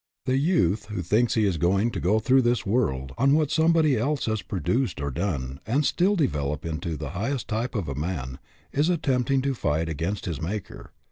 The youth who thinks he is going to go through this world on what somebody else has produced or done, and still develop into the highest type of a man, is attempting to fight against his Maker.